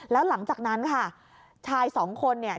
แล้วหลังจากนั้นค่ะชายสองคนเนี่ย